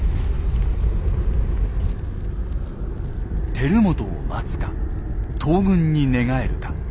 輝元を待つか東軍に寝返るか。